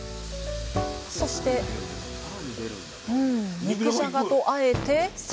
そして肉じゃがとあえてさらに！